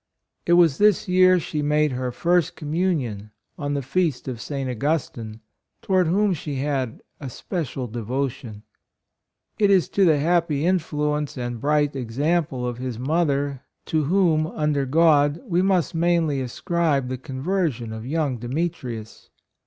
It 24 HIS MOTHER, PRINCESS AMELIA. was this year she made her first communion on the Feast of St. Augustine, towards whom she had a special devotion. It is to the happy influence and bright exam ple of his mother, to whom, under God, we must mainly ascribe the conversion of young Demetrius.